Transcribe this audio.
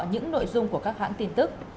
những nội dung của các hãng tin tức